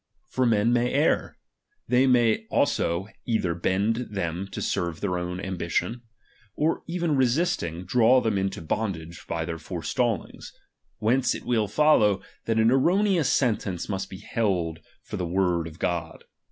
For men may err ; chap.xV?^^ they may also either bend them to serve their own ambition ; or even resisting, draw them into bon dage by their forestallings ; whence it will follow, that an erroneous sentence must be held for the word of God.